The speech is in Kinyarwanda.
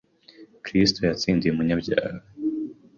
Kristo yatsindiye umunyabyaha.